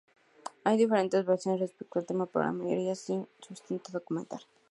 Hay diferentes versiones respecto al tema pero, la mayoría sin sustento documental.